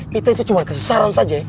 kita itu cuma kesesaran saja